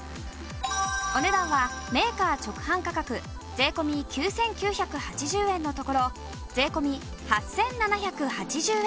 お値段はメーカー直販価格税込９９８０円のところ税込８７８０円。